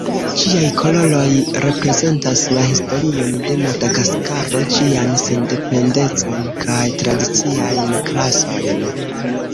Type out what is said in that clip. Ĝiaj koloroj reprezentas la historion de Madagaskaro, ĝian sendependecon kaj tradiciajn klasojn.